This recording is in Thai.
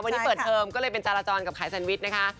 วันนี้เปิดเทอมก็เลยเป็นจารจรกับขายแซนวิชนะคะ